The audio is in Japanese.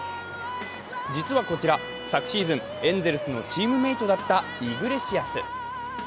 実はこちら、昨シーズン、エンゼルスのチームメートだったイグレシアス。